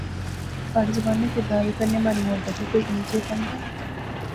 پہاڑی زبان نے کرداریں کنے مہاڑی محبت وی کوئی ایہے جیا کم دا